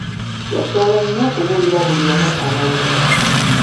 Yaswala nnyo okubuulira buli omu amazima.